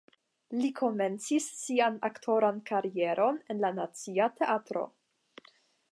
Li komencis sian aktoran karieron en la Nacia Teatro.